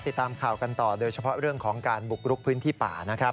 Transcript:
ติดตามข่าวกันต่อโดยเฉพาะเรื่องของการบุกรุกพื้นที่ป่านะครับ